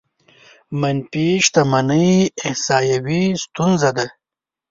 منفي شتمنۍ احصايوي ستونزه ده.